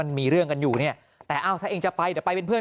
มันมีเรื่องกันอยู่เนี่ยแต่อ้าวถ้าเองจะไปเดี๋ยวไปเป็นเพื่อน